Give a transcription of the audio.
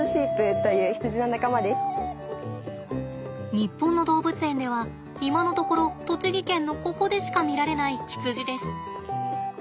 日本の動物園では今のところ栃木県のここでしか見られないヒツジです。